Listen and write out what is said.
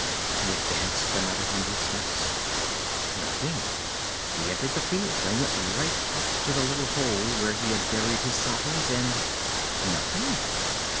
He advanced another hundred steps nothing; he entered the field and went right up to the little hole where he had buried his sovereigns and nothing.